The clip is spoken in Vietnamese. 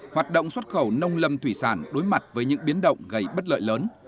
hoạt động xuất khẩu nông lâm thủy sản đối mặt với những biến động gây bất lợi lớn